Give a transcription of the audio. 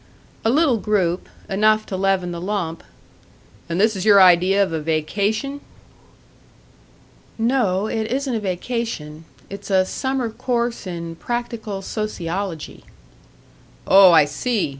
"A little group enough to leaven the lump." "And this is your idea of a vacation?" "No, it isn't a vacation; it's a summer course in practical sociology." "Oh, I see!"